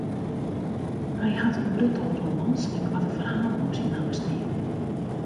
Hy hat in grut tal romans en koarte ferhalen op syn namme stean.